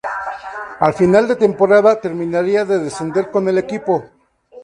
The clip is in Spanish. Al final de temporada terminaría de descender con el equipo.